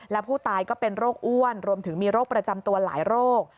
และผู้ตายก็เป็นโรคอ้วนรวมถึงมีโรคประจำตัวหลายโรค